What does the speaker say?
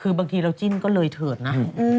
คือบางทีเราจิ้นก็เลยเถิดนะ